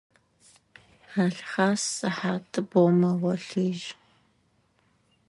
Алхъас сыхьат бгъум мэгъолъыжьы.